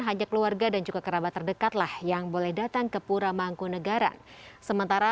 hanya keluarga dan juga kerabat terdekatlah yang boleh datang ke pura mangkunegara sementara